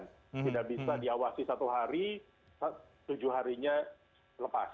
tidak bisa diawasi satu hari tujuh harinya lepas